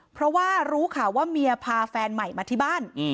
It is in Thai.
เพราะว่ารู้ข่าวว่าเมียพาแฟนใหม่มาที่บ้าน